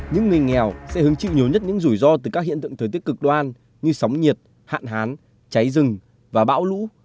những người nghèo sẽ hứng chịu nhiều nhất những rủi ro từ các hiện tượng thời tiết cực đoan như sóng nhiệt hạn hán cháy rừng và bão lũ